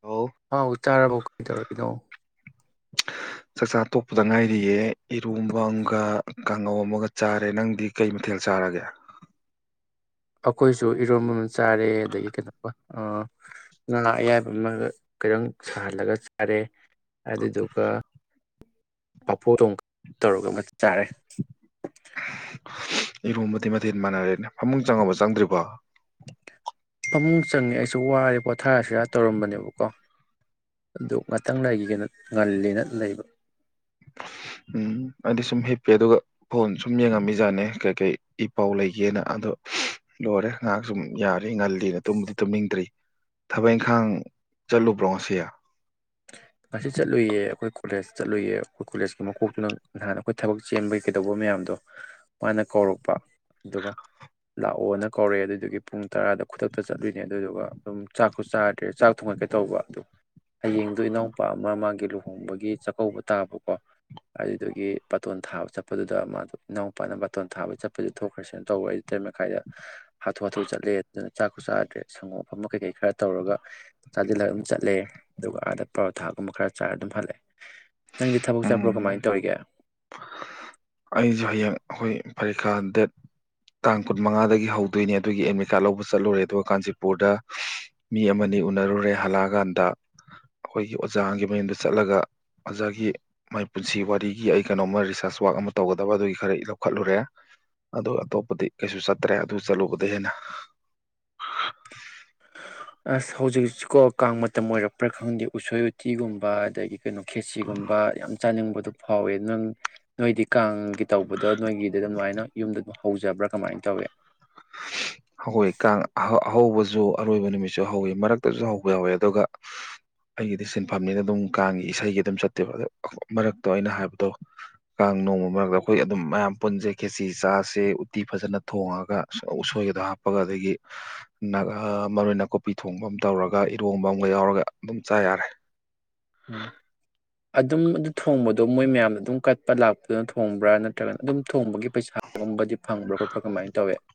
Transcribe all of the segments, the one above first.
ꯍꯥꯎ ꯑꯥꯎ ꯆꯥꯔꯔꯕ ꯀꯩꯗꯧꯔꯅꯣ ꯆꯥꯛꯆꯥ ꯇꯣꯛꯄꯗ ꯉꯥꯏꯔꯤꯌꯦ ꯏꯔꯨꯕ ꯑꯃꯒ ꯀꯥꯡꯉꯧ ꯑꯃꯒ ꯆꯥꯔꯦ ꯅꯪꯗꯤ ꯀꯩ ꯃꯊꯦꯜ ꯆꯥꯔꯒꯦ ꯑꯩꯈꯣꯏꯁꯨ ꯏꯔꯣꯕ ꯑꯃ ꯆꯥꯔꯦ ꯑꯗꯒꯤ ꯀꯩꯅꯣ ꯅꯅꯥ ꯑꯌꯥꯏꯕ ꯑꯃꯒ ꯈꯤꯇꯪ ꯁꯥꯍꯜꯂꯒ ꯆꯥꯔꯦ ꯑꯗꯨꯗꯨꯒ ꯄꯥꯐꯣ ꯊꯣꯡ ꯇꯧꯔꯒ ꯑꯃ ꯆꯥꯔꯦ ꯏꯕꯨꯝꯕꯗꯤ ꯃ ꯐꯃꯨꯡ ꯆꯪꯉꯕ ꯆꯪꯗ꯭ꯔꯤꯕ ꯐꯃꯨꯡ ꯆꯪꯉꯦ ꯑꯩꯁꯨ ꯋꯥꯔꯦ ꯄꯣꯊꯥꯔꯁꯤꯔ ꯇꯧꯔꯝꯕꯅꯦꯕꯀꯣ ꯑꯗꯨ ꯉꯥꯛꯇꯪ ꯂꯩꯈꯤꯒꯦꯅ ꯉꯜꯂꯤꯅ ꯂꯩꯕ ꯎꯝ ꯑꯩꯗꯤ ꯁꯨꯝ ꯍꯤꯞꯄꯦ ꯑꯗꯨꯒ ꯐꯣꯟ ꯁꯨꯝ ꯌꯦꯡꯉꯝꯃꯤꯖꯥꯠꯅꯦ ꯀꯩꯀꯩ ꯏ ꯄꯥꯎ ꯂꯩꯒꯦꯅ ꯑꯗꯣ ꯂꯣꯏꯔꯦ ꯉꯥꯏꯍꯥꯛ ꯁꯨꯝ ꯌꯥꯔꯤ ꯉꯜꯂꯤꯅ ꯇꯨꯝꯕꯗꯤ ꯇꯨꯝꯅꯤꯡꯗ꯭ꯔꯤ ꯊꯕꯛ ꯏꯪꯈꯥꯡ ꯆꯠꯂꯨꯕ꯭ꯔꯣ ꯉꯁꯤ ꯉꯁꯤ ꯆꯠꯂꯨꯏꯌꯦ ꯑꯩꯈꯣꯏ ꯀꯣꯂꯦꯖ ꯆꯠꯂꯨꯏ ꯑꯩꯈꯣꯏ ꯀꯣꯂꯦꯖꯀꯤ ꯃꯀꯣꯛꯇꯨꯅ ꯅꯍꯥꯟ ꯑꯩꯈꯣꯏ ꯊꯕꯛ ꯆꯦꯟꯕꯒꯤ ꯀꯩꯗꯧꯕ ꯃꯌꯥꯝꯗꯣ ꯃꯥꯅ ꯀꯧꯔꯛꯄ ꯑꯗꯨꯒ ꯂꯥꯛꯑꯣꯅ ꯀꯧꯔꯛꯑꯦ ꯑꯗꯨꯏꯗꯨꯒꯤ ꯄꯨꯡ ꯇꯔꯥꯗ ꯈꯨꯗꯛꯇ ꯆꯠꯂꯨꯏꯅꯦ ꯑꯗꯨꯏꯗꯨꯒ ꯑꯗꯨꯝ ꯆꯥꯛꯁꯨ ꯆꯥꯗ꯭ꯔꯦ ꯆꯥꯛ ꯊꯣꯡꯉꯛꯀꯦ ꯇꯧꯕ ꯑꯗꯨ ꯍꯌꯦꯡꯗꯣꯅꯣ ꯅꯨꯄꯥ ꯑꯃ ꯃꯥꯒꯤ ꯂꯨꯍꯣꯡꯕꯒꯤ ꯆꯥꯛꯀꯧꯕ ꯇꯥꯕꯀꯣ ꯑꯗꯨꯗꯒꯤ ꯕꯥꯇꯣꯟ ꯊꯥꯕ ꯆꯠꯄꯗꯨꯗ ꯃꯥꯗꯣ ꯏꯅꯥꯎꯄꯥꯅ ꯕꯥꯇꯣꯟ ꯊꯥꯕ ꯆꯠꯄꯗꯨ ꯊꯣꯛꯈ꯭ꯔꯁꯤꯅ ꯇꯧꯕ ꯍꯥꯏꯗꯤ ꯇꯔꯔꯤꯠ ꯃꯈꯥꯏꯗ ꯍꯥꯊꯨ ꯍꯥꯊꯨ ꯆꯠꯂꯦ ꯑꯗꯨꯅ ꯆꯥꯛꯁꯨ ꯆꯥꯗ꯭ꯔꯦ ꯁꯪꯒꯣꯝꯐꯝ ꯀꯩꯀꯩ ꯈꯔ ꯇꯧꯔꯒ ꯆꯥꯁꯤꯜꯂꯒ ꯑꯗꯨꯝ ꯆꯠꯂꯦ ꯑꯗꯨꯒ ꯑꯥꯗ ꯄꯔꯣꯊꯥꯒꯨꯝꯕ ꯈꯔ ꯆꯥꯏꯔ ꯑꯗꯨꯝ ꯍꯜꯂꯛꯑꯦ ꯅꯪꯗꯤ ꯊꯕꯛ ꯎꯝ ꯆꯠꯄ꯭ꯔꯣ ꯀꯃꯥꯏꯅ ꯇꯧꯔꯤꯒꯦ ꯑꯩꯁꯨ ꯍꯌꯦꯡ ꯑꯩꯈꯣꯏ ꯐꯔꯤꯈꯥ ꯗꯦꯠ ꯇꯥꯡ ꯀꯨꯟꯃꯉꯥꯗꯒꯤ ꯍꯧꯗꯣꯏꯅꯦ ꯑꯗꯨꯒꯤ ꯑꯦꯗꯃꯤꯠ ꯀꯥꯔꯠ ꯂꯧꯕ ꯆꯠꯂꯨꯔꯦ ꯑꯗꯨꯒ ꯀꯥꯟꯆꯤꯄꯨꯔꯗ ꯃꯤ ꯑꯃꯅꯤ ꯎꯅꯔꯨꯔꯦ ꯍꯜꯂꯛꯑꯀꯥꯟꯗ ꯑꯩꯈꯣꯏꯒꯤ ꯑꯣꯖꯥꯒꯤ ꯃꯌꯨꯝꯗ ꯆꯠꯂꯒ ꯑꯣꯖꯥꯒꯤ ꯃꯥꯏ ꯄꯨꯟꯁꯤ ꯋꯥꯔꯤꯒꯤ ꯑꯩ ꯀꯩꯅꯣꯝꯃ ꯔꯤꯁꯥꯔꯁ ꯋꯥꯋꯔꯥꯛ ꯑꯃ ꯇꯧꯒꯗꯕ ꯑꯗꯨꯒꯤ ꯈꯔ ꯂꯧꯈꯠꯂꯨꯔꯦ ꯑꯗꯨꯒ ꯑꯇꯣꯞꯄꯗꯤ ꯀꯩꯁꯨ ꯆꯠꯇ꯭ꯔꯦ ꯑꯗꯨ ꯆꯠꯂꯨꯕꯗ ꯍꯦꯟꯅ ꯑꯁ ꯍꯧꯖꯤꯛ ꯍꯧꯖꯤꯛꯀꯣ ꯀꯥꯡ ꯃꯇꯝ ꯑꯣꯏꯔꯛꯄ꯭ꯔꯥ ꯈꯪꯗꯦ ꯎꯁꯣꯏ ꯎꯇꯤꯒꯨꯝꯕ ꯑꯗꯒꯤ ꯀꯩꯅꯣ ꯈꯦꯁꯤꯒꯨꯝꯕ ꯌꯥꯝ ꯆꯥꯅꯤꯡꯕꯗꯣ ꯐꯥꯎꯋꯦ ꯅꯪ ꯅꯣꯏꯗꯤ ꯀꯥꯡꯒꯤ ꯇꯧꯕꯗꯣ ꯅꯣꯏꯒꯤꯗ ꯑꯗꯨꯃꯥꯏꯅ ꯌꯨꯝꯗ ꯑꯗꯨꯝ ꯍꯧꯖꯕ꯭ꯔꯥ ꯀꯃꯥꯏꯅ ꯇꯧꯋꯦ ꯍꯣꯏ ꯀꯥꯡ ꯑꯍꯧꯕꯖꯨ ꯑꯔꯣꯏꯕ ꯅꯨꯃꯤꯠꯁꯨ ꯍꯧꯋꯦ ꯃꯔꯛꯇꯖꯨ ꯍꯧꯕ ꯌꯥꯎꯋꯦ ꯑꯗꯨꯒ ꯑꯩꯒꯤꯗꯤ ꯁꯤꯟꯐꯝꯅꯤꯅ ꯑꯗꯨꯝ ꯀꯥꯡꯒꯤ ꯏꯁꯩꯒꯤ ꯑꯗꯨꯝ ꯆꯠꯇꯦꯕ ꯑꯗ ꯃꯔꯛꯇꯣ ꯑꯩꯅ ꯍꯥꯢꯕꯗꯣ ꯀꯥꯡ ꯅꯣꯡꯃꯃ ꯑꯈꯣꯢ ꯗꯨꯝ ꯃꯌꯥꯝ ꯄꯨꯟꯖꯦ ꯈꯦꯆꯤ ꯆꯥꯁꯦ ꯎꯇꯤ ꯐꯖꯅ ꯊꯣꯡꯉꯒ ꯑꯁ ꯎꯁꯣꯏꯒꯗꯣ ꯍꯥꯞꯄꯒ ꯑꯗꯒꯤ ꯅꯛꯍ ꯃꯔꯣꯏ ꯅꯥꯀꯨꯞꯄꯤ ꯊꯣꯡꯕ ꯑꯃ ꯇꯧꯔꯒ ꯏꯔꯣꯝꯕ ꯑꯝꯒ ꯌꯥꯎꯔꯒ ꯑꯗꯨꯝ ꯆꯥ ꯌꯥꯔꯦ ꯎꯝ ꯑꯗꯨꯝ ꯑꯗꯨ ꯊꯣꯡꯕꯗꯣ ꯃꯣꯏ ꯃꯌꯥꯝꯅ ꯑꯗꯨꯝ ꯀꯠꯄ ꯂꯥꯛꯄꯗꯨꯅ ꯊꯣꯡꯕ꯭ꯔꯥ ꯅꯠꯇ꯭ꯔꯒꯅ ꯑꯗꯨꯝ ꯊꯣꯡꯕꯒꯤ ꯄꯩꯁꯥꯒꯨꯝꯕꯗꯤ ꯐꯪꯕ꯭ꯔ ꯈꯣꯠꯄ꯭ꯔ ꯀꯃꯥꯏ ꯇꯧꯋꯦ [inaudible]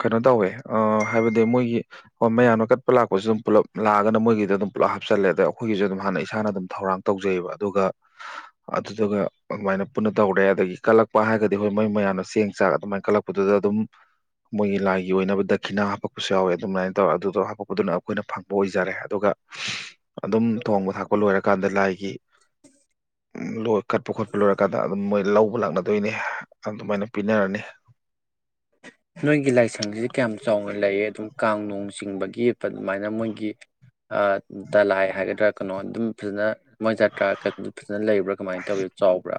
ꯀꯩꯅꯣ ꯇꯧꯋꯦ ꯑꯥ ꯍꯥꯏꯕꯗꯤ ꯃꯣꯏꯒꯤ ꯍꯣ ꯃꯌꯥꯝꯅ ꯀꯠꯄ ꯂꯥꯛꯄꯁꯨ ꯑꯗꯨꯝ ꯄꯨꯂꯞ ꯂꯥꯛꯑꯒꯅ ꯃꯣꯏꯒꯤꯗ ꯑꯗꯨꯝ ꯄꯨꯂꯞ ꯍꯥꯞꯆꯜꯂꯦ ꯑꯗꯩ ꯑꯩꯈꯣꯏꯒꯤꯁꯨ ꯑꯗꯨꯝ ꯍꯥꯟꯅ ꯏꯁꯥꯅ ꯑꯗꯨꯝ ꯊꯧꯔꯥꯡ ꯇꯧꯖꯩꯌꯦꯕ ꯑꯗꯨꯒ ꯑꯗꯨꯗꯨꯒ ꯑꯗꯨꯃꯥꯏꯅ ꯄꯨꯟꯅ ꯇꯧꯔꯦ ꯑꯗꯒꯤ ꯀꯠꯂꯛꯄ ꯍꯥꯏꯔꯒꯗꯤ ꯍꯣꯏ ꯃꯣꯏ ꯃꯌꯥꯝꯅ ꯆꯦꯡ ꯆꯥꯛ ꯑꯗꯨꯃꯥꯏꯅ ꯀꯜꯂꯛꯄꯗꯨꯗ ꯑꯗꯨꯝ ꯃꯣꯏꯒꯤ ꯂꯥꯏꯒꯤ ꯑꯣꯏꯅꯕ ꯗꯈꯤꯅꯥ ꯍꯥꯞꯄꯛꯄꯁꯨ ꯌꯥꯎꯋꯦ ꯑꯗꯨꯃꯥꯏꯅ ꯇꯧꯔꯦ ꯑꯗꯨꯗꯣ ꯍꯥꯄꯛꯄꯗꯨꯅ ꯑꯩꯈꯣꯏꯅ ꯐꯪꯕ ꯑꯣꯏꯖꯔꯦ ꯑꯗꯨꯒ ꯑꯗꯨꯝ ꯊꯣꯡꯕ ꯊꯥꯛꯄ ꯂꯣꯏꯔꯛ ꯀꯥꯟꯗ ꯂꯥꯏꯒꯤ ꯎꯝ ꯂꯣꯢ ꯀꯠꯄ ꯈꯣꯠꯄ ꯂꯣꯏꯔꯀꯥꯟꯗ ꯑꯗꯨꯝ ꯃꯣꯏ ꯂꯧꯕ ꯂꯥꯛꯅꯗꯣꯏꯅꯤ ꯑꯗꯨꯃꯥꯏꯅ ꯄꯤꯅꯔꯅꯤ ꯅꯣꯏꯒꯤ ꯂꯥꯏꯁꯪꯁꯤꯗꯤ ꯀ꯭ꯌꯥꯝ ꯆꯥꯎꯅ ꯂꯩꯌꯦ ꯑꯗꯨꯝ ꯀꯥꯡ ꯅꯣꯡ ꯆꯤꯡꯕꯒꯤ ꯄꯑꯗꯨꯃꯥꯏꯅ ꯃꯣꯏꯒꯤ ꯑꯥ ꯙꯂꯥꯏ ꯍꯥꯏꯒꯗ꯭ꯔꯥ ꯀꯩꯅꯣ ꯑꯗꯨꯝ ꯐꯖꯅ ꯃꯣꯏ ꯖꯇ꯭ꯔꯥ ꯐꯖꯅ ꯂꯩꯕ꯭ꯔ ꯀꯃꯥꯏꯅ ꯇꯧꯋꯤ ꯆꯥꯎꯕ꯭ꯔ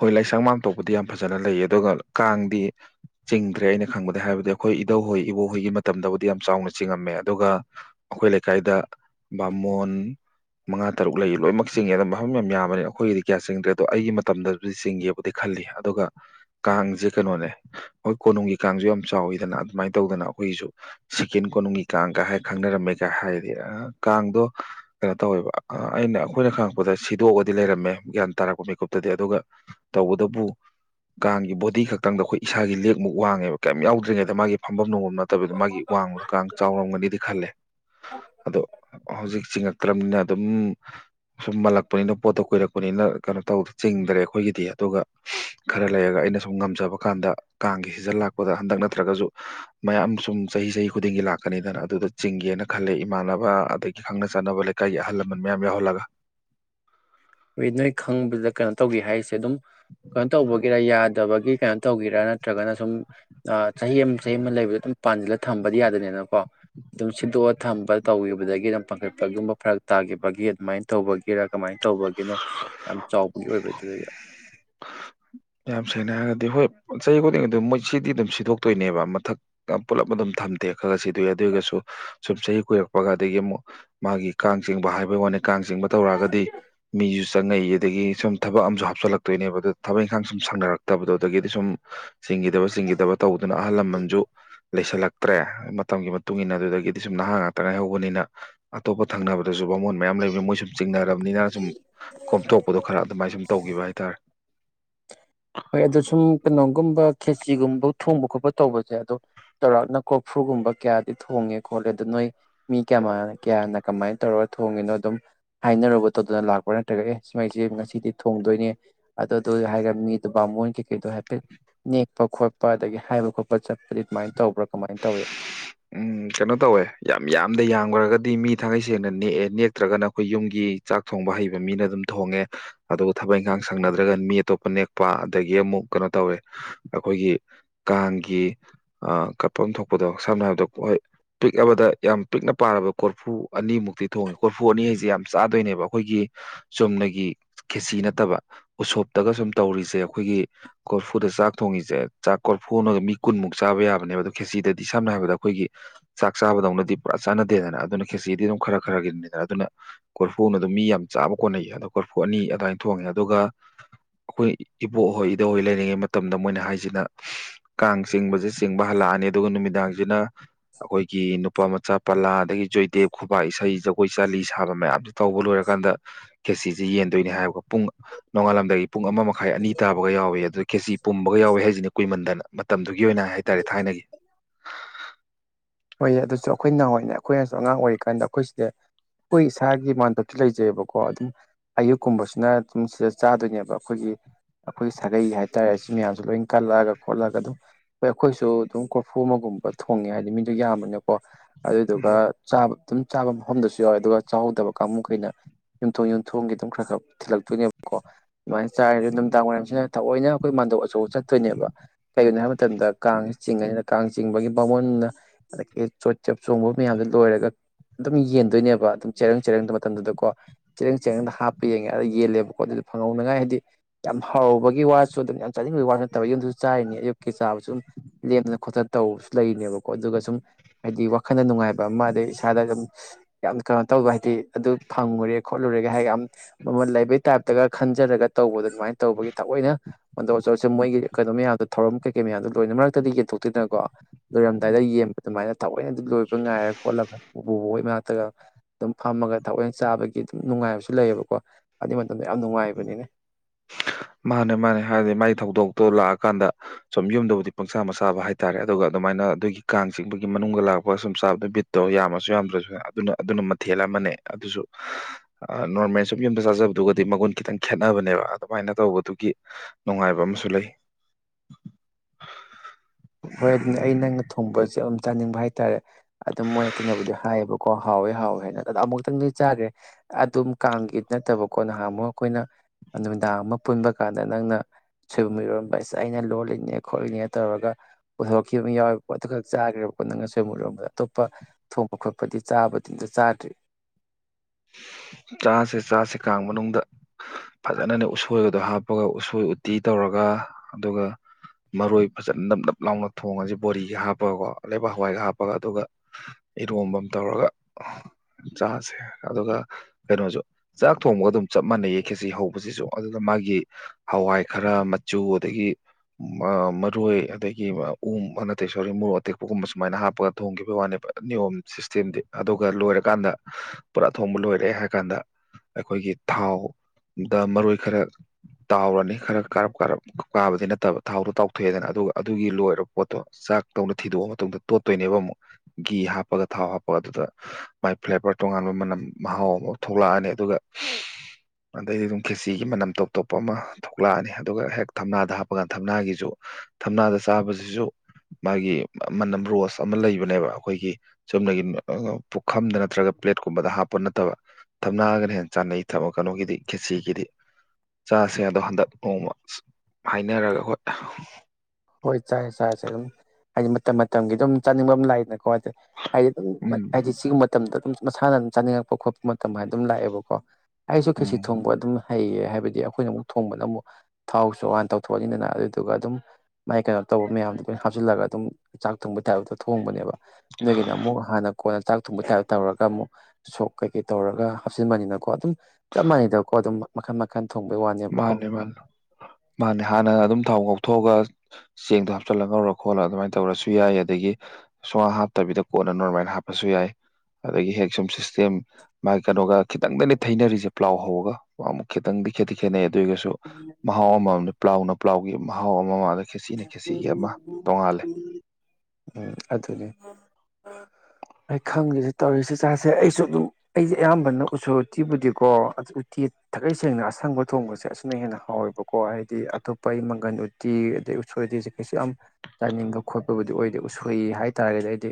ꯍꯣꯏ ꯂꯩꯁꯡ ꯃꯥꯡꯇꯣꯞꯄꯨꯗꯤ ꯌꯥꯝ ꯐꯖꯅ ꯂꯩꯌꯦ ꯑꯗꯨꯒ ꯀꯥꯡꯗꯤ ꯆꯤꯡꯗ꯭ꯔꯦ ꯑꯩꯅ ꯈꯪꯕꯗ ꯍꯥꯏꯕꯗꯤ ꯑꯩꯈꯣꯏ ꯏꯙꯧ ꯍꯣꯏ ꯏꯕꯣꯛꯍꯣꯏꯒꯤ ꯃꯇꯝꯗꯕꯨꯗꯤ ꯌꯥꯝ ꯆꯥꯎꯅ ꯆꯤꯡꯉꯝꯃꯦ ꯑꯗꯨꯒ ꯑꯈꯣꯏ ꯂꯩꯀꯥꯏꯗ ꯕꯥꯃꯣꯟ ꯃꯉꯥ ꯇꯔꯨꯛ ꯂꯩ ꯂꯣꯏꯃꯛ ꯆꯤꯡꯉꯦ ꯑꯗꯣ ꯃꯐꯝ ꯌꯥꯝ ꯌꯥꯝꯕꯅꯤꯅ ꯑꯩꯈꯣꯏꯒꯤꯗꯤ ꯀꯌꯥ ꯆꯤꯡꯗ꯭ꯔꯦ ꯑꯗꯣ ꯑꯩꯒꯤ ꯃꯇꯝꯗ ꯆꯤꯡꯒꯦꯕꯨꯗꯤ ꯈꯜꯂꯤ ꯑꯗꯨꯒ ꯀꯥꯡꯖꯦ ꯀꯩꯅꯣꯅꯦ ꯍꯣꯏ ꯀꯣꯅꯨꯡꯒꯤ ꯀꯥꯡꯖꯨ ꯌꯥꯝ ꯆꯥꯎꯋꯤꯗꯅ ꯑꯗꯨꯃꯥꯏꯅ ꯇꯧꯗꯅ ꯑꯩꯈꯣꯏꯒꯤꯁꯨ ꯁꯤꯀꯦꯟ ꯀꯣꯅꯨꯡꯒꯤ ꯀꯥꯡꯀ ꯍꯥꯏ ꯈꯪꯅꯔꯝꯃꯦꯒ ꯍꯥꯏꯔꯗꯤ ꯑ ꯀꯥꯡꯗꯣ ꯀꯩꯅꯣ ꯇꯧꯋꯦꯕ ꯑ ꯑꯩꯅ ꯑꯩꯈꯣꯏꯅ ꯈꯪꯉꯛꯄꯗ ꯁꯤꯗꯣꯛꯑꯗꯤ ꯂꯩꯔꯝꯃꯦ ꯒ꯭꯭ꯌꯥꯟ ꯇꯥꯔꯛꯄ ꯃꯤꯀꯨꯞꯇꯗꯤ ꯑꯗꯨꯒ ꯇꯧꯕꯇꯕꯨ ꯀꯥꯡꯒꯤ ꯕꯣꯗꯤ ꯈꯛꯇꯪꯗ ꯑꯩꯈꯣꯏ ꯏꯁꯥꯒꯤ ꯂꯦꯛꯃꯨꯛ ꯋꯥꯡꯉꯦꯕ ꯀꯩꯢꯝ ꯌꯥꯎꯗ꯭ꯔꯤꯉꯩꯗ ꯃꯥꯒꯤ ꯐꯝꯐꯝ ꯅꯣꯡꯕꯝ ꯅꯠꯇꯕꯤꯗ ꯃꯥꯒꯤ ꯋꯥꯡꯕꯗꯣ ꯀꯥꯡ ꯆꯥꯎꯔꯝꯒꯅꯤꯗꯤ ꯈꯜꯂꯦ ꯑꯗꯣ ꯍꯧꯖꯤꯛ ꯆꯤꯡꯉꯛꯇ꯭ꯔꯝꯅꯤꯅ ꯑꯗꯨꯝ ꯁꯨꯝ ꯃꯜꯂꯛꯄꯅꯤꯅ ꯄꯣꯠꯇꯣ ꯀꯨꯏꯔꯛꯄꯅꯤꯅ ꯀꯩꯅꯣ ꯇꯧꯕꯗ ꯆꯤꯡꯗ꯭ꯔꯦ ꯑꯩꯈꯣꯏꯒꯤꯗꯤ ꯑꯗꯨꯒ ꯈꯔ ꯂꯩꯔꯒ ꯑꯩꯅ ꯁꯨꯝ ꯉꯝꯖꯕ ꯀꯥꯟꯗ ꯀꯥꯡꯒꯤ ꯁꯤꯖꯟ ꯂꯥꯛꯄꯗ ꯍꯟꯗꯛ ꯅꯠꯇ꯭ꯔꯒꯖꯨ ꯃꯌꯥꯝ ꯁꯨꯝ ꯆꯍꯤ ꯆꯍꯤ ꯈꯨꯗꯤꯡꯒꯤ ꯂꯥꯛꯀꯅꯤꯗꯅ ꯑꯗꯨꯗ ꯆꯤꯡꯒꯦꯅ ꯈꯜꯂꯦ ꯏꯃꯥꯟꯅꯕ ꯑꯗꯒꯤ ꯈꯪꯅ ꯆꯠꯅꯕ ꯂꯩꯀꯥꯏꯒꯤ ꯑꯍꯜ ꯂꯃꯟ ꯃꯌꯥꯝ ꯌꯥꯎꯍꯜꯂꯒ ꯍꯣꯢ ꯅꯣꯏ ꯈꯪꯕꯗ ꯀꯩꯅꯣ ꯇꯧꯒꯦ ꯍꯥꯏꯔꯤꯁꯦ ꯑꯗꯨꯝ ꯀꯩꯅꯣ ꯇꯧꯕꯒꯤꯔ ꯌꯥꯗꯕꯒꯤ ꯀꯩꯅꯣ ꯇꯧꯒꯤꯔ ꯅꯠꯇ꯭ꯔꯒꯅ ꯁꯨꯝ ꯑꯥ ꯆꯍꯤ ꯑꯃ ꯆꯍꯤ ꯑꯃ ꯂꯩꯕꯗ ꯑꯗꯨꯝ ꯄꯥꯟꯖꯤꯜꯂ ꯊꯝꯕꯗꯤ ꯌꯥꯗꯅꯤꯅꯀꯣ ꯑꯗꯨꯝ ꯁꯤꯟꯗꯣꯛꯑ ꯊꯝꯕ ꯇꯧꯕꯤꯕꯗꯒꯤ ꯑꯗꯨꯝ ꯄꯥꯟꯈꯠꯄꯒꯨꯝꯕ ꯐꯔꯛ ꯇꯥꯒꯤꯕꯒꯤ ꯑꯗꯨꯃꯥꯏ ꯇꯧꯕꯒꯤꯔ ꯀꯃꯥꯏ ꯇꯧꯕꯒꯤꯅꯣ ꯌꯥꯝ ꯆꯥꯎꯕꯒꯤ ꯑꯣꯏꯕ ꯑꯗꯨꯒꯤꯔꯥ ꯌꯥꯝ ꯁꯦꯡꯅ ꯍꯥꯏꯔꯒꯗꯤ ꯍꯣꯏ ꯆꯍꯤ ꯈꯨꯗꯤꯡꯒꯤ ꯑꯗꯨꯝ ꯃꯣꯏ ꯁꯤꯗꯤ ꯑꯗꯨꯝ ꯁꯤꯗꯣꯛꯇꯣꯏꯅꯦꯕ ꯃꯊꯛ ꯄꯨꯜꯂꯞ ꯑꯗꯨꯝ ꯊꯝꯗꯦ ꯈꯔ ꯁꯤꯠ ꯊꯤꯌꯗꯦꯗꯁꯨ ꯁꯨꯝ ꯆꯍꯤ ꯀꯨꯏꯔꯛꯄꯒ ꯑꯗꯒꯤ ꯑꯃꯨꯛ ꯃꯥꯒꯤ ꯀꯥꯡ ꯆꯤꯡꯕ ꯍꯥꯏꯕꯩ ꯋꯥꯅꯦ ꯀꯥꯡ ꯆꯤꯡꯕ ꯇꯧꯔꯛꯑꯒꯗꯤ ꯃꯤꯖ ꯇꯟꯅꯩ ꯑꯗꯒꯤ ꯁꯨꯝ ꯊꯕꯛ ꯑꯃꯁꯨ ꯍꯥꯞꯆꯜꯂꯛꯇꯣꯏꯅꯦꯕ ꯑꯗꯣ ꯊꯕꯛ ꯊꯥꯡ ꯁꯨꯝ ꯁꯪꯅꯔꯛꯇꯕꯗꯣ ꯑꯗꯨꯗꯒꯤꯗꯤ ꯁꯨꯝ ꯆꯤꯡꯈꯤꯗꯕ ꯆꯤꯡꯈꯤꯗꯕ ꯇꯧꯗꯨꯅ ꯑꯍꯜ ꯂꯃꯟꯁꯨ ꯂꯩꯁꯜꯂꯛꯇ꯭ꯔꯦ ꯃꯇꯝꯒꯤ ꯃꯇꯨꯡ ꯏꯟꯅ ꯑꯗꯨꯗꯒꯤꯗꯤ ꯁꯨꯝ ꯅꯍꯥ ꯉꯥꯛꯇ ꯉꯥꯏꯍꯧꯕꯅꯤꯅ ꯑꯇꯣꯞꯄ ꯊꯪꯅꯕꯗꯁꯨ ꯕꯥꯃꯣꯟ ꯃꯌꯥꯝ ꯂꯩꯕꯅꯤ ꯃꯣꯏ ꯁꯨꯝ ꯇꯤꯡꯅꯔꯕꯅꯤꯅ ꯁꯨꯝ ꯀꯣꯝꯊꯣꯛꯄꯗꯣ ꯈꯔ ꯑꯗꯨꯃꯥꯏꯅ ꯁꯨꯝ ꯇꯧꯒꯤꯕ ꯍꯥꯏꯇꯥꯔꯦ ꯒꯨꯝꯕ ꯈꯦꯆꯤꯒꯨꯝꯕ ꯊꯣꯡꯕ ꯈꯣꯠꯄ ꯇꯧꯕꯁꯦ ꯑꯗꯣ ꯆꯧꯔꯥꯛꯅ ꯀꯣꯔꯐꯨꯒꯨꯝꯕ ꯀꯌꯥꯗꯤ ꯊꯣꯡꯉꯦ ꯈꯣꯠꯂꯦ ꯑꯗꯣ ꯅꯣꯏ ꯃꯤ ꯀ꯭ꯌꯥꯃꯥꯏ ꯀꯌꯥꯅ ꯀꯃꯥꯏꯅ ꯇꯧꯔꯒ ꯊꯣꯡꯉꯤꯅꯣ ꯑꯗꯨꯝ ꯍꯥꯏꯅꯔꯨꯕ ꯇꯧꯗꯅ ꯂꯥꯛꯄ꯭ꯔꯥ ꯅꯠꯇ꯭ꯔꯒ ꯑꯦ ꯁꯃꯥꯏꯁꯦ ꯉꯁꯤꯗꯤ ꯊꯣꯡꯗꯣꯏꯅꯦ ꯑꯗꯨ ꯑꯗꯨ ꯍꯥꯏꯔꯒ ꯃꯤ ꯇꯨ ꯚꯥꯃꯣꯟ ꯀꯩꯀꯩꯗꯨ ꯍꯥꯏꯐꯦꯠ ꯅꯦꯛꯄ ꯈꯣꯠꯄ ꯑꯗꯒꯤ ꯍꯥꯏꯕ ꯈꯣꯠꯄ ꯆꯠꯄꯗꯤ ꯑꯗꯨꯃꯥꯏꯅ ꯇꯧꯕ꯭ꯔꯥ ꯀꯃꯥꯏꯅ ꯇꯧꯏ ꯎꯝ ꯀꯩꯅꯣ ꯇꯧꯋꯦ ꯌꯥꯝ ꯌꯥꯝꯗ ꯌꯥꯝꯈ꯭ꯔꯒꯗꯤ ꯃꯤ ꯊꯥꯡꯒꯩ ꯁꯦꯡꯅ ꯅꯦꯛꯑꯦ ꯅꯦꯛꯇ꯭ꯔꯒꯅ ꯑꯩꯈꯣꯏ ꯌꯨꯝꯒꯤ ꯆꯥꯛ ꯊꯣꯡꯕ ꯍꯩꯕ ꯃꯤꯅ ꯑꯗꯨꯝ ꯊꯣꯡꯉꯦ ꯑꯗꯨꯒ ꯊꯕꯛ ꯏꯪꯈꯥꯡ ꯁꯪꯅꯗ꯭ꯔꯒꯅ ꯃꯤ ꯑꯇꯣꯞꯄ ꯅꯦꯛꯄ ꯑꯗꯒꯤ ꯑꯃꯨꯛ ꯀꯩꯅꯣ ꯇꯧꯋꯦ ꯑꯩꯈꯣꯏꯒꯤ ꯀꯥꯡꯒꯤ ꯀꯠꯐꯝ ꯊꯣꯛꯄꯗꯣ ꯁꯝꯅ ꯍꯥꯏꯕ ꯑꯗꯣ ꯍꯣꯏ ꯄꯤꯛꯑꯕꯗ ꯌꯥꯝ ꯄꯤꯛꯅ ꯄꯥꯔꯕꯗ ꯀꯣꯔꯐꯨ ꯑꯅꯤꯃꯨꯛꯇꯤ ꯊꯣꯡꯉꯦ ꯀꯣꯔꯐꯨ ꯑꯅꯤ ꯍꯥꯏꯖꯦ ꯌꯥꯝ ꯆꯥꯗꯣꯏꯅꯦꯕ ꯑꯈꯣꯏꯒꯤ ꯆꯨꯝꯅꯒꯤ ꯈꯦꯆꯤ ꯅꯠꯇꯕ ꯎꯁꯣꯞꯇꯒ ꯁꯨꯝ ꯇꯧꯔꯤꯖꯦ ꯑꯩꯈꯣꯏꯒꯤ ꯀꯣꯔꯐꯨꯗ ꯆꯥꯛ ꯊꯣꯡꯉꯤꯖꯦ ꯆꯥꯛ ꯀꯣꯔꯐꯨ ꯑꯝꯅꯒ ꯃꯤ ꯀꯨꯟꯃꯨꯛ ꯆꯥꯕ ꯌꯥꯕꯅꯦꯕ ꯑꯗꯣ ꯈꯦꯆꯤꯗꯗꯤ ꯁꯝꯅ ꯍꯥꯏꯔꯕꯗ ꯑꯩꯈꯣꯏꯒꯤ ꯆꯥꯛ ꯆꯥꯕꯗꯧꯅꯗꯤ ꯄꯨꯔꯥ ꯆꯥꯟꯅꯗꯦꯗꯅ ꯑꯗꯨꯅ ꯈꯦꯆꯤꯗꯤ ꯑꯗꯨꯝ ꯈꯔ ꯈꯔꯒꯤꯅꯤꯗꯅ ꯑꯗꯨꯅ ꯀꯣꯔꯐꯨ ꯑꯝꯅ ꯑꯗꯨꯝ ꯃꯤ ꯌꯥꯝ ꯆꯥꯕ ꯀꯣꯟꯅꯩ ꯑꯗꯣ ꯀꯣꯔꯐꯨ ꯑꯅꯤ ꯑꯗꯨꯃꯥꯏꯅ ꯊꯣꯡꯉꯦ ꯑꯗꯨꯒ ꯑꯈꯣꯏ ꯏꯕꯣꯛꯍꯣꯏ ꯏꯙꯧꯍꯣꯏ ꯂꯩꯔꯤꯉꯩ ꯃꯇꯝꯗ ꯃꯣꯏꯅ ꯍꯥꯏꯖꯤꯅ ꯀꯥꯡ ꯆꯤꯡꯕꯖꯦ ꯆꯤꯡꯕ ꯍꯜꯂꯛꯑꯅꯤ ꯑꯗꯨꯒ ꯅꯨꯃꯤꯗꯥꯡꯖꯤꯅ ꯑꯈꯣꯏꯒꯤ ꯅꯨꯄꯥ ꯃꯆꯥ ꯄꯜ ꯥ ꯂꯥꯗꯒꯤ ꯖꯣꯏꯗꯦꯕ ꯈꯨꯕꯥꯛ ꯏꯁꯩ ꯖꯒꯣꯏ ꯆꯥꯂꯤ ꯁꯥꯕ ꯃꯌꯥꯝꯖꯦ ꯇꯧꯕ ꯂꯣꯏꯔꯀꯥꯟꯗ ꯈꯦꯆꯤꯖꯤ ꯌꯦꯟꯗꯣꯏꯅꯦ ꯍꯥꯏꯕꯀꯣ ꯄꯨꯡ ꯅꯣꯡꯉꯥꯜꯂꯝꯗꯥꯏꯒꯤ ꯄꯨꯡ ꯑꯃ ꯃꯈꯥꯏ ꯑꯅꯤ ꯇꯥꯕꯒ ꯌꯥꯎꯋꯦꯌꯦ ꯑꯗ ꯈꯦꯆꯤ ꯄꯨꯝꯕꯒ ꯌꯥꯎꯋꯦ ꯍꯥꯏꯖꯤꯅꯤ ꯀꯨꯏꯃꯟꯗꯅ ꯃꯇꯝꯗꯨꯒꯤ ꯑꯣꯏꯅ ꯍꯥꯏꯇꯥꯔꯦ ꯊꯥꯏꯅꯒꯤ ꯍꯣꯏ ꯑꯗꯨꯁꯨ ꯑꯈꯣꯏ ꯅꯍꯥꯋꯥꯏꯅꯦ ꯑꯈꯣꯏꯅꯁꯨ ꯑꯉꯥꯡ ꯑꯣꯏꯔꯤꯀꯥꯟꯗ ꯑꯈꯣꯏ ꯁꯤꯗ ꯑꯈꯣꯏ ꯏꯁꯥꯒꯤ ꯃꯥꯟꯗꯞꯇꯤ ꯂꯩꯖꯩꯑꯕꯀꯣ ꯑꯗꯨꯝ ꯑꯌꯨꯛꯀꯨꯝꯕꯁꯤꯅ ꯑꯗꯨꯝ ꯁꯤꯗ ꯆꯥꯗꯣꯏꯅꯦꯕ ꯑꯈꯣꯏꯒꯤ ꯑꯈꯣꯏꯒꯤ ꯁꯥꯒꯩ ꯍꯥꯏꯇꯥꯔꯦ ꯁꯤ ꯃꯌꯥꯝꯖꯨ ꯂꯣꯏ ꯀꯠꯂꯛꯑꯒ ꯈꯣꯠꯂꯒ ꯑꯗꯨꯝ ꯍꯣꯏ ꯑꯩꯈꯣꯏꯁꯨ ꯑꯗꯨꯝ ꯀꯣꯔꯐꯨ ꯑꯃꯒꯨꯝꯕ ꯊꯣꯡꯉꯦ ꯍꯥꯏꯗꯤ ꯃꯤ ꯑꯗꯨ ꯌꯥꯝꯕꯅꯤꯅꯀꯣ ꯑꯗꯨꯗꯨꯒ ꯆꯥꯕ ꯑꯗꯨꯝ ꯆꯥꯕ ꯃꯐꯝꯗꯁꯨ ꯌꯥꯎꯋꯦ ꯑꯗꯨꯒ ꯆꯥꯎꯍꯧꯗꯕ ꯀꯥꯡꯕꯨꯈꯩꯅ ꯌꯨꯝꯊꯣꯡ ꯌꯨꯝꯊꯣꯡꯒꯤ ꯑꯗꯨꯝ ꯈ꯭ꯔ ꯈ꯭ꯔ ꯊꯤꯜꯂꯛꯇꯣꯏꯅꯦꯕꯀꯣ ꯑꯗꯨꯃꯥꯏꯅ ꯆꯥꯏꯔꯤ ꯅꯨꯡꯗꯥꯡ ꯋꯥꯏꯔꯝꯁꯦ ꯊꯑꯣꯏꯅ ꯑꯩꯈꯣꯏ ꯃꯥꯟꯗꯧ ꯑꯆꯧꯕ ꯆꯠꯇꯣꯏꯅꯦꯕ ꯀꯩꯒꯤꯅꯣ ꯍꯥꯏꯕ ꯃꯇꯝꯗ ꯀꯥꯡ ꯆꯤꯡꯉꯅꯤꯅ ꯀꯥꯡ ꯆꯤꯡꯕꯒꯤ ꯕꯥꯃꯣꯟꯅ ꯑꯗꯒꯤ ꯆꯣꯠ ꯆꯞ ꯆꯣꯡꯕ ꯃꯌꯥꯝꯗꯣ ꯂꯣꯏꯔꯒ ꯑꯗꯨꯝ ꯌꯦꯟꯗꯣꯏꯅꯦꯕ ꯑꯗꯨꯝ ꯆꯦꯔꯪ ꯆꯦꯔꯪꯗ ꯃꯇꯝꯗꯨꯗ ꯀꯣ ꯆꯦꯔꯪ ꯆꯦꯔꯪꯗ ꯍꯥꯞꯄ ꯌꯦꯡꯉꯦꯗ ꯌꯦꯜꯂꯦꯕꯀꯣ ꯑꯗꯨꯣ ꯐꯪꯍꯧꯅꯉꯥꯏ ꯍꯥꯏꯗꯤ ꯌꯥꯝ ꯍꯔꯧꯕꯒꯤ ꯋꯥꯁꯨ ꯑꯗꯨꯝ ꯌꯥꯝ ꯆꯥꯅꯤꯡꯕꯒꯤ ꯋꯥꯁꯨ ꯅꯠꯇꯕ ꯌꯨꯝꯗꯁꯨ ꯆꯥꯔꯤꯅꯤ ꯑꯌꯨꯛꯀꯤ ꯆꯥꯕꯁꯨ ꯑꯗꯨꯨꯝ ꯂꯦꯝꯞꯇꯅ ꯈꯣꯠꯇꯅ ꯇꯧꯕꯁꯨ ꯂꯩꯔꯤꯅꯦꯕꯀꯣ ꯑꯗꯨꯒ ꯁꯨꯝ ꯍꯥꯏꯗꯤ ꯋꯥꯈꯜꯗ ꯅꯨꯡꯉꯥꯏꯕ ꯑꯃ ꯑꯗꯩ ꯏꯁꯥꯗ ꯗꯨꯝ ꯌꯥꯝ ꯀꯩꯅꯣ ꯇꯧꯕ ꯍꯥꯏꯗꯤ ꯑꯗꯨ ꯐꯪꯉꯨꯔꯦ ꯈꯣꯠꯂꯨꯔꯦꯒ ꯍꯥꯏꯔꯒ ꯌꯥꯝ ꯃꯃꯜ ꯂꯩꯕꯩ ꯇꯥꯏꯞꯇꯒ ꯈꯟꯖꯔꯒ ꯇꯧꯕꯗꯣ ꯑꯗꯨꯃꯥꯏꯅ ꯇꯧꯕꯒꯤ ꯊꯑꯣꯏꯅ [unintelligible] ꯃꯣꯏꯒꯤ ꯀꯩꯅꯣ ꯃꯌꯥꯝꯗꯣ ꯊꯧꯔꯝ ꯀꯩꯀꯩ ꯃꯌꯥꯝꯗꯣ ꯂꯣꯏꯅ ꯃꯔꯛꯇꯗꯤ ꯌꯦꯟꯊꯣꯛꯇꯦꯗꯅꯀꯣ ꯂꯣꯏꯔꯝꯗꯥꯏꯗ ꯌꯦꯡ [unintelligible] ꯊꯑꯣꯏꯅꯗꯤ ꯂꯣꯏꯕ ꯉꯥꯏꯔ ꯈꯣꯠꯂꯕ ꯕꯣꯕꯣ ꯍꯣꯏ ꯅꯠꯇꯒ ꯑꯗꯨꯝ ꯐꯝꯃꯒ ꯊꯋꯡ ꯆꯥꯕꯒꯤ ꯑꯗꯨꯝ ꯅꯨꯡꯉꯥꯏꯕꯁꯨ ꯂꯩꯌꯦꯕꯀꯣ ꯑꯗꯨ ꯃꯇꯝꯗ ꯌꯥꯝ ꯅꯨꯡꯉꯥꯏꯕꯅꯤꯅꯦ ꯃꯥꯅꯦ ꯃꯥꯅꯦ ꯍꯥꯏꯗꯤ ꯃꯥꯒꯤ ꯊꯧꯗꯣꯛꯇꯣ ꯂꯥꯛꯑꯀꯥꯟꯗ ꯁꯨꯝ ꯌꯨꯝꯗꯕꯨꯗꯤ ꯄꯪꯆꯥꯥ ꯑꯃ ꯆꯥꯕ ꯍꯥꯏꯇꯥꯔꯦ ꯑꯗꯨꯒ ꯑꯗꯨꯃꯥꯏꯅ ꯑꯗꯨꯒꯤ ꯀꯥꯡ ꯆꯤꯡꯛꯄꯕꯒꯤ ꯃꯅꯨꯡꯗ ꯂꯥꯛꯄꯒ ꯁꯨꯝ ꯆꯥꯕꯗꯨ ꯕꯤꯠꯇꯣ ꯌꯥꯝꯃꯁꯨ ꯌꯥꯝꯗ꯭ꯔꯁꯨ ꯑꯗꯨꯅ ꯑꯗꯨꯅ ꯃꯊꯦꯜ ꯑꯃꯅꯦ ꯑꯗꯨꯁꯨ ꯅꯣꯔꯃꯦꯜ ꯁꯨꯝ ꯌꯨꯝꯗ ꯆꯥꯖꯕꯗꯨꯒꯗꯤ ꯃꯒꯨꯟ ꯈꯤꯇꯪ ꯈꯦꯠꯅꯕꯅꯦꯕ ꯑꯗꯨꯃꯥꯏꯅ ꯇꯧꯕꯗꯨꯒꯤ ꯅꯨꯡꯉꯥꯏꯕ ꯑꯃꯁꯨ ꯂꯩ ꯍꯣꯏ ꯑꯗꯨꯅꯦ ꯑꯩ ꯎꯝ, ꯅꯪꯅ ꯊꯣꯡꯕꯁꯦ ꯑꯝ ꯆꯥꯅꯤꯡꯕ ꯍꯥꯏ ꯇꯔꯦ ꯑꯗꯨꯝ ꯃꯣꯏꯅ ꯇꯤꯟꯅꯕꯗꯤ ꯍꯥꯏꯌꯦꯕꯀꯣ ꯀꯣ ꯍꯥꯎꯋꯦ ꯍꯥꯎꯋꯦ ꯍꯥꯏꯅ ꯑꯗ ꯑꯃꯨꯛ ꯇꯪꯗꯤ ꯆꯥꯈ꯭ꯔꯦ ꯑꯗꯨꯝ ꯀꯥꯡꯒꯤ ꯅꯠꯇꯕꯀꯣ ꯅꯍꯥꯟꯃꯨꯛ ꯑꯈꯣꯏꯅ ꯅꯨꯃꯤꯗꯥꯡ ꯑꯃ ꯄꯨꯟꯕ ꯀꯥꯟꯗ ꯅꯪꯅ ꯁꯣꯏꯕꯨꯝ ꯏꯔꯣꯟꯕ ꯑꯁ ꯑꯩꯅ ꯂꯣꯜꯂꯤꯅꯦ ꯈꯣꯠꯂꯤꯅꯦ ꯇꯧꯔꯒ ꯄꯨꯊꯣꯔꯛꯈꯤꯕ ꯑꯃ ꯌꯥꯎꯋꯦꯕ ꯄꯣꯠ ꯑꯗꯨꯈꯛ ꯆꯥꯈ꯭ꯔꯦꯕꯀꯣ ꯅꯪ ꯉꯁꯣꯏ ꯑꯃꯨꯛ ꯂꯔꯕꯗ ꯑꯇꯣꯞꯄ ꯊꯣꯡꯄ ꯈꯣꯠꯄꯗꯤ ꯆꯥꯕꯗꯤ ꯑꯝꯇ ꯆꯥꯗ꯭ꯔꯤ ꯆꯥꯁꯦ ꯆꯥꯁꯦ ꯀꯥꯡ ꯃꯅꯨꯡꯗ ꯐꯖꯅꯅꯦ ꯎꯁꯣꯏꯕꯗꯣ ꯍꯥꯞꯄꯒ ꯎꯁꯣꯏ ꯎꯇꯤ ꯇꯧꯔꯒ ꯑꯗꯨꯒ ꯃꯔꯣꯏ ꯐꯖꯅ ꯅꯞ ꯅꯞ ꯂꯥꯎꯅ ꯊꯣꯡꯉꯁꯤ ꯕꯣꯔꯤꯒ ꯍꯥꯞꯄꯒꯀꯣ ꯂꯩꯕꯥꯛ ꯍꯋꯥꯏꯒ ꯍꯥꯞꯄꯒ ꯑꯗꯨꯒ ꯏꯔꯣꯝꯕ ꯑꯝ ꯇꯧꯔꯒ ꯆꯥꯁꯦ ꯑꯗꯨꯒ ꯀꯩꯅꯣꯁꯨ ꯆꯥꯛ ꯊꯣꯡꯕꯒ ꯑꯗꯨꯝ ꯆꯞ ꯃꯥꯟꯅꯩꯌꯦ ꯈꯦꯆꯤ ꯍꯧꯕꯁꯤꯁꯨ ꯑꯗꯨꯅ ꯃꯥꯒꯤ ꯍꯋꯥꯏ ꯈꯔ ꯃꯆꯨ ꯑꯗꯒꯤ ꯑ ꯃꯔꯣꯏ ꯑꯗꯒꯤ ꯎꯝ ꯅꯠꯇꯦ ꯁꯣꯔꯤ ꯃꯨꯔꯣꯛ ꯑꯇꯦꯛꯄꯒꯨꯝꯕ ꯁꯨꯃꯥꯏꯅ ꯍꯥꯞꯄꯒ ꯊꯣꯡꯈꯤꯕꯒꯤ ꯋꯥꯅꯦ ꯐꯅ ꯅꯤꯌꯣꯝ ꯁꯤꯁꯇꯦꯝꯗꯤ ꯑꯗꯨꯒ ꯂꯣꯏꯔ ꯀꯥꯟꯗ ꯄꯨꯔꯥ ꯊꯣꯡꯕ ꯂꯣꯏꯔꯦ ꯍꯥꯏ ꯀꯥꯟꯗ ꯑꯩꯈꯣꯏꯒꯤ ꯊꯥꯎꯗ ꯃꯔꯣꯏ ꯈꯔ ꯇꯥꯎꯔꯅꯤ ꯈꯔ ꯀꯥꯔꯞ ꯀꯥꯔꯞ ꯀꯥꯕꯗꯤ ꯅꯠꯇꯕ ꯊꯥꯎꯗꯣ ꯇꯥꯎꯊꯣꯛꯑꯦꯗꯅ ꯑꯗꯨꯒ ꯑꯗꯨꯒꯤ ꯂꯣꯏꯔꯕ ꯄꯣꯠꯇꯣ ꯆꯥꯛꯇꯧꯅ ꯊꯤꯗꯣꯛꯑ ꯃꯇꯨꯡꯗ ꯇꯣꯠꯇꯣꯏꯅꯦꯕ ꯑꯃꯨꯛ ꯘꯤ ꯍꯥꯞꯄꯒ ꯊꯥꯎ ꯍꯥꯞꯄꯒ ꯑꯗꯨꯗ ꯃꯥꯏ ꯐ꯭ꯂꯦꯕꯔ ꯇꯣꯉꯥꯟꯕ ꯃꯅꯝ ꯃꯍꯥꯎ ꯑꯃ ꯊꯣꯛꯂꯛ ꯑꯅꯤ ꯑꯗꯨꯒ ꯑꯗꯩꯗꯤ ꯑꯗꯨꯝ ꯈꯦꯆꯤꯒꯤ ꯃꯅꯝ ꯇꯣꯞ ꯇꯣꯞꯄ ꯑꯃ ꯊꯣꯛꯂꯛ ꯑꯅꯤ ꯑꯗꯨꯒ ꯍꯦꯛ ꯊꯝꯅꯥꯗ ꯍꯥꯞꯄ ꯀꯥꯟꯗ ꯊꯝꯅꯥꯒꯤꯁꯨ ꯊꯝꯅꯥꯗ ꯆꯥꯕꯖꯤꯖꯨ ꯃꯥꯒꯤ ꯃꯅꯝ ꯔꯣꯁ ꯑꯃ ꯂꯩꯕꯅꯦꯕ ꯑꯈꯣꯏꯒꯤ ꯆꯨꯝꯅꯒꯤ ꯃ ꯑ ꯄꯨꯈꯝꯗ ꯅꯠꯇ꯭ꯔꯒ ꯄ꯭ꯂꯦꯠ ꯀꯨꯝꯕꯗ ꯍꯥꯞꯄ ꯅꯠꯇꯕ ꯊꯝꯅꯥꯒꯅ ꯍꯦꯟꯅ ꯆꯥꯅꯩ ꯊꯃ ꯀꯩꯅꯣꯒꯤꯗꯤ ꯈꯦꯆꯤꯒꯤꯗꯤ ꯆꯥꯁꯤ ꯑꯗꯣ ꯍꯟꯗꯛ ꯅꯣꯡꯃ ꯍꯥꯏꯅꯔꯒ ꯍꯣꯏ ꯍꯣꯏ ꯆꯥꯏ ꯆꯥꯔꯁꯦ ꯑꯗꯨꯝ ꯍꯥꯏꯗꯤ ꯃꯇꯝ ꯃꯇꯝꯒꯤ ꯑꯗꯨꯝ ꯆꯥꯅꯤꯡꯕꯃ ꯂꯥꯛꯏꯗꯅꯀꯣ ꯍꯥꯏ ꯎꯝ ꯍꯥꯏ ꯗꯤ ꯁꯤ ꯃꯇꯝꯗ ꯑꯗꯨꯝ ꯃꯁꯥꯅ ꯑꯗꯨꯝ ꯆꯥꯅꯤꯡꯉꯛꯄ ꯈꯣꯠꯄ ꯃꯇꯝ ꯍꯥꯏ ꯑꯗꯨꯝ ꯂꯥꯛꯑꯦꯕꯀꯣ ꯑꯩꯁꯨ ꯈꯩꯁꯤ ꯎꯝ ꯊꯣꯡꯕ ꯑꯗꯨꯝ ꯍꯩꯌꯦ ꯍꯥꯏꯕꯗꯤ ꯑꯩꯈꯣꯏꯅ ꯃꯨꯛ ꯊꯣꯡꯕꯗ ꯃꯨꯛ ꯊꯥꯎ ꯁꯣꯛ ꯍꯥꯟꯅ ꯇꯧꯊꯣꯛ ꯑꯅꯤꯗꯅ ꯑꯗꯨꯗꯨꯒ ꯑꯗꯨꯝ ꯃꯒꯤ ꯀꯩꯅꯣ ꯇꯧꯕ ꯃꯌꯥꯝꯗꯣ ꯑꯩꯈꯣꯏ ꯍꯥꯞꯆꯤꯜꯂꯒ ꯑꯗꯨꯝ ꯆꯥꯛ ꯊꯣꯡꯕ ꯇꯥꯏꯞꯇꯣ ꯊꯣꯡꯕꯅꯦꯕ ꯅꯒꯤꯅ ꯑꯃꯨꯛ ꯍꯥꯟꯅ ꯀꯣꯟꯅ ꯆꯥꯛ ꯊꯣꯡꯕ ꯇꯥꯏꯞꯇ ꯇꯧꯔꯒ ꯑꯃꯨꯛ ꯁꯣꯛꯞ ꯀꯩꯀꯩ ꯇꯧꯔꯒ ꯍꯥꯞꯆꯤꯟꯕꯅꯤꯅꯀꯣ ꯑꯗꯨꯝ ꯆꯞ ꯃꯥꯟꯅꯩꯗꯀꯣ ꯑꯗꯨꯝ ꯃꯈꯟ ꯃꯈꯟ ꯊꯣꯡꯕꯩ ꯋꯥꯅꯦꯕꯀꯣ ꯃꯥꯅꯦ ꯃꯥꯅꯤ ꯃꯥꯅꯦ ꯍꯥꯟꯅ ꯑꯗꯨꯝ ꯊꯥꯎ ꯉꯧ ꯊꯣꯛꯑꯒ ꯆꯦꯡꯗꯣ ꯍꯥꯞꯆꯤꯜꯂ ꯉꯧꯔ ꯈꯣꯠꯂ ꯑꯗꯨꯃꯥꯏꯅ ꯇꯧꯔꯁꯨ ꯌꯥꯏ ꯑꯗꯒꯤ ꯁꯨꯛ ꯍꯥꯞ ꯍꯥꯞꯇꯕꯤꯗ ꯀꯣꯟꯅ ꯅꯣꯔꯃꯦꯜ ꯍꯥꯞꯄꯁꯨ ꯌꯥꯏ ꯑꯗꯒꯤ ꯍꯦꯛ ꯁꯨꯝ ꯁꯤꯁꯇꯦꯝ ꯃꯥ ꯀꯩꯅꯣꯒ ꯈꯤꯇꯪꯗꯅꯦ ꯊꯩꯅꯔꯤꯁꯦ ꯄ꯭ꯂꯥꯎ ꯍꯧꯔꯒ ꯑꯃꯨꯛ ꯈꯤꯇꯪꯗꯤ ꯈꯤ ꯈꯦꯅꯦ ꯑꯗꯨꯒꯁꯨ ꯎꯝ ꯃꯍꯥꯎ ꯑꯃꯝꯝꯅꯦ ꯄ꯭ꯂꯥꯎꯅ ꯄ꯭ꯂꯥꯎꯒꯤ ꯃꯍꯥꯎ ꯑꯃ ꯈꯦꯁꯤꯅ ꯈꯦꯁꯤꯒꯤ ꯑꯃ ꯎꯝ ꯇꯣꯡꯉꯥꯜꯂꯦ ꯑꯗꯨꯅꯦ ꯑꯩ ꯈꯪꯒꯗ ꯇꯧꯔꯤꯁꯦ ꯆꯥꯥꯁꯦ ꯑꯩꯁꯨ ꯑꯗꯨꯝ ꯑꯩꯁꯦ ꯑꯌꯥꯝꯕꯅ ꯎꯁꯣꯢ ꯎꯇꯤꯕꯨꯗꯤꯀꯣ ꯎꯇꯤ ꯊꯥꯒꯩ ꯁꯦꯡꯅ ꯑꯁꯪꯕ ꯊꯣꯡꯕꯁꯦ ꯑꯁꯤꯅ ꯍꯦꯟꯅ ꯍꯥꯎꯋꯦꯕꯀꯣ ꯍꯥꯏꯗꯤ ꯑꯇꯣꯞꯄ ꯑꯩ ꯃꯪꯒꯟ ꯎꯇꯤ ꯑꯗꯩ ꯎꯁꯣꯏꯗꯦꯁꯦ ꯀꯩꯁꯨ ꯌꯥꯝ ꯆꯥꯅꯤꯡꯕ ꯈꯣꯠꯄꯕꯨꯗꯤ ꯑꯣꯏꯗꯦ ꯎꯁꯣꯏ ꯍꯥꯏꯇꯥꯥꯔꯒꯗꯤ ꯑꯩꯗꯤ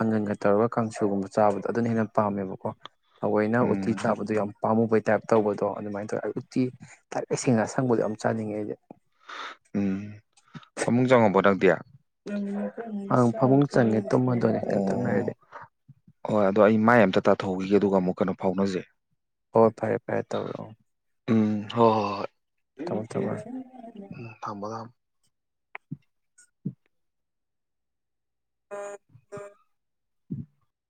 ꯑꯪꯒꯟꯒ ꯇꯧꯔꯒ ꯀꯥꯡꯁꯨꯒꯨꯝꯕ ꯆꯥꯕꯗꯣ ꯑꯗꯨꯅ ꯍꯦꯟꯅ ꯄꯥꯝꯃꯦꯕꯀꯣ ꯊꯑꯣꯏꯅ ꯎꯇꯤ ꯎꯝ ꯆꯥꯕꯗꯨ ꯌꯥꯝ ꯄꯥꯝꯃꯨꯕꯩ ꯇꯥꯏꯞ ꯇꯧꯕꯗꯣ ꯑꯗꯨꯃꯥꯏꯅ ꯇꯧꯔꯒ ꯑꯩ ꯎꯠꯇꯤ ꯊꯥꯒꯩ ꯁꯦꯡꯅ ꯑꯁꯪꯕꯗꯣ ꯌꯥꯝ ꯆꯥꯅꯤꯡꯉꯦ ꯑꯩꯗꯤ ꯎꯝ ꯐꯃꯨꯨꯡ ꯆꯪꯉꯕꯣ ꯅꯪꯗꯤ ꯑ ꯐꯃꯨꯡ ꯆꯪꯉꯦ ꯇꯨꯝꯃ ꯗꯣꯢꯅꯤ ꯉꯥꯛꯇꯪ ꯂꯩꯔꯗꯤ ꯍꯣꯏ ꯑꯗꯣ ꯑꯩ ꯃꯥꯏ ꯑꯝꯇ ꯇꯥꯊꯣꯛꯎꯒꯤꯒꯦ ꯑꯗꯨꯒ ꯑꯃꯨꯛ ꯀꯩꯅꯣ ꯐꯥꯎꯅꯖꯩ ꯍꯣꯏ ꯐꯔꯦ ꯐꯔꯦ ꯇꯧꯔꯛꯑꯣ ꯎꯝ ꯍꯣꯏ ꯍꯣꯏ ꯍꯣꯏ ꯊꯝꯃꯣ ꯊꯝꯃꯣ ꯎꯝ ꯊꯝꯃꯣ ꯊꯝꯃꯣ [unintelligible] [unintelligible]